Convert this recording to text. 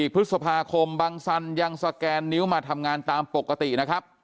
พฤษภาคมบังสันยังสแกนนิ้วมาทำงานตามปกตินะครับ